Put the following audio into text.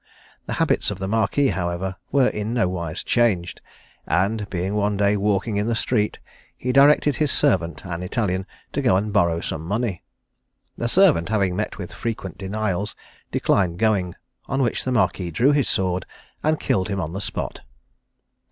The habits of the Marquis, however, were in nowise changed, and being one day walking in the street, he directed his servant, an Italian, to go and borrow some money. The servant, having met with frequent denials, declined going: on which the Marquis drew his sword and killed him on the spot.